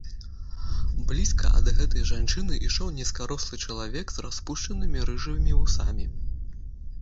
Блізка ад гэтай жанчыны ішоў нізкарослы чалавек з распушчанымі рыжымі вусамі.